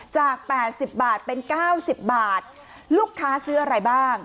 จากแปดสิบบาทเป็นเก้าสิบบาทลูกค้าซื้ออะไรบ้าง